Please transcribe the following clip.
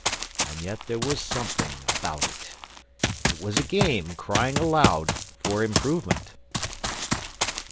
And yet there was something about it.... It was a game crying aloud for improvement.